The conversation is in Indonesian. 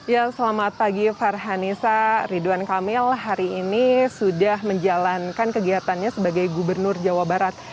ya selamat pagi farhanisa ridwan kamil hari ini sudah menjalankan kegiatannya sebagai gubernur jawa barat